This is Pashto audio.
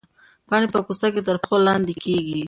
پاڼې په کوڅو کې تر پښو لاندې کېږي.